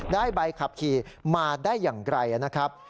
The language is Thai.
ได้ใบขับขี่มาได้อย่างไกลนะครับ